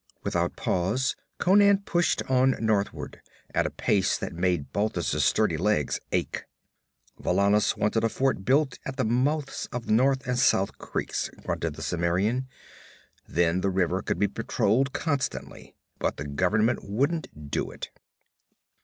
Without pause Conan pushed on northward, at a pace that made Balthus' sturdy legs ache. 'Valannus wanted a fort built at the mouths of North and South Creeks,' grunted the Cimmerian. 'Then the river could be patrolled constantly. But the Government wouldn't do it.